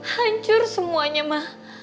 hancur semuanya ma